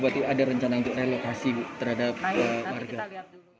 bupati ada rencana untuk relokasi terhadap warga